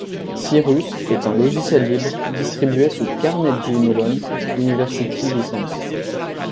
Cyrus est un logiciel libre distribué sous Carnegie Mellon University License.